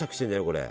これ。